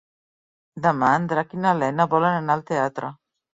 Demà en Drac i na Lena volen anar al teatre.